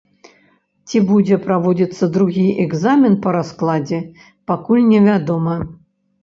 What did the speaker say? Ці будзе праводзіцца другі экзамен па раскладзе, пакуль невядома.